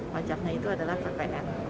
pajaknya itu adalah ppn